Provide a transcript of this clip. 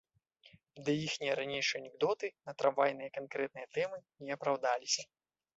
Ды іхнія ранейшыя анекдоты на трамвайныя канкрэтныя тэмы не апраўдаліся.